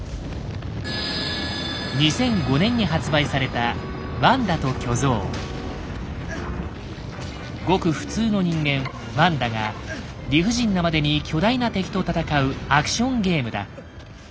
２００５年に発売されたごく普通の人間「ワンダ」が理不尽なまでに巨大な敵と戦うアクションゲームだ。